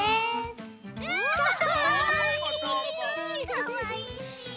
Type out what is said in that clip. かわいいち。